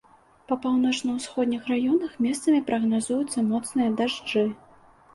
Па паўночна-ўсходніх раёнах месцамі прагназуюцца моцныя дажджы.